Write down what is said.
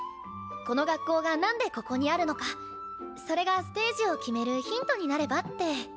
この学校がなんでここにあるのかそれがステージを決めるヒントになればって。